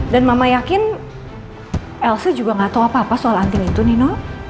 dan mama yakin elsa juga nggak tahu apa apa soal anting itu nino